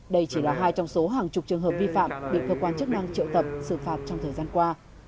đây chỉ là hai trong số hàng chục trường hợp vi phạm bị cơ quan chức năng triệu tập xử phạt trong thời gian qua